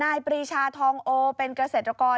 ปรีชาทองโอเป็นเกษตรกร